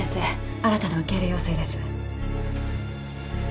新たな受け入れ要請です。